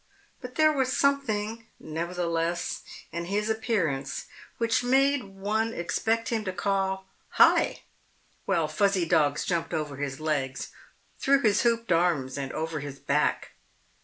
But there was something, nevertheless, in his appearance which made one expect him to call "Hi!" while fuzzy dogs jumped over his legs, through his hooped arms, and over his back.